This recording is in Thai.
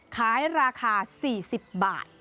ขายราคา๔๐บาท